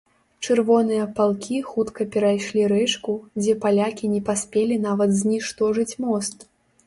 Чырвоныя палкі хутка перайшлі рэчку, дзе палякі не паспелі нават зніштожыць мост.